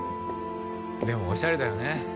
でもオシャレだよね。